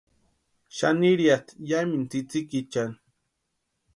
Xanirhiatʼi yamintu tsïtsïkichani.